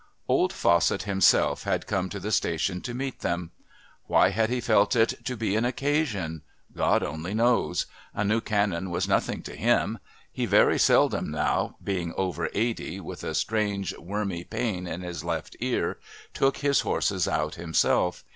Old Fawcett himself had come to the station to meet them. Why had he felt it to be an occasion? God only knows. A new Canon was nothing to him. He very seldom now, being over eighty, with a strange "wormy" pain in his left ear, took his horses out himself.